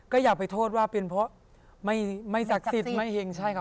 ก็อยากไปโทษว่าเป็นเพราะไม่ศักดิ์สิทธิ์ไม่เห็งใช่ครับ